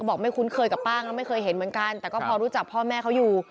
บอกไม่คุ้นเคยกับป้างแล้วไม่เคยเห็นเหมือนกันแต่ก็พอรู้จักพ่อแม่เขาอยู่